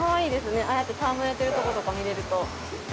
ああやって戯れているところとかが見れると。